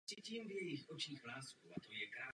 Za klub nastupují arabští i židovští hráči.